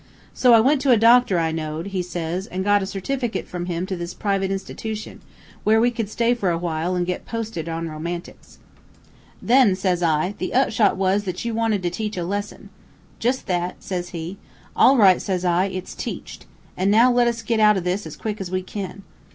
So I went to a doctor I knowed,' he says, 'an' got a certificate from him to this private institution, where we could stay for a while an' get posted on romantics.' "'Then,' says I, 'the upshot was that you wanted to teach a lesson.' "'Jus' that,' says he. "'All right,' says I; 'it's teached. An' now let's get out of this as quick as we kin.'